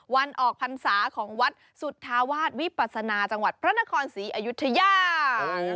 วันออกพรรษาของวัดสุธาวาสวิปัสนาจังหวัดพระนครศรีอยุธยา